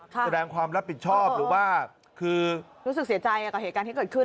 แสดงความรับผิดชอบหรือว่าคือรู้สึกเสียใจกับเหตุการณ์ที่เกิดขึ้น